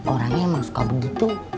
orangnya emang suka begitu